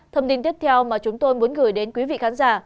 thông tin tiếp theo mà chúng tôi muốn gửi đến quý vị khán giả